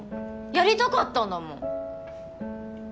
やりたかったんだもん！